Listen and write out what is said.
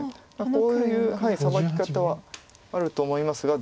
こういうサバキ方はあると思いますが。